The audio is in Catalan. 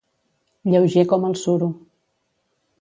Lleuger com el suro.